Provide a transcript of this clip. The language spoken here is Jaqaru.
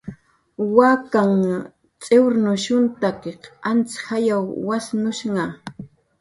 Wakanh t'iwrnushunhtakiq antz jayw wasnushnha